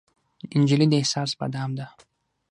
نجلۍ د احساس بادام ده.